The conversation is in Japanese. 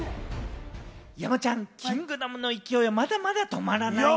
山ちゃん、『キングダム』の勢いはまだまだ止まらないね。